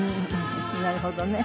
なるほどね。